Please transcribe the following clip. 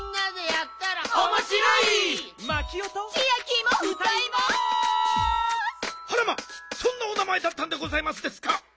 あらまそんなお名まえだったんでございますですか。